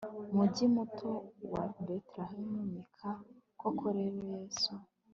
mugi muto wa Betelehemu Mika Koko rero Yesu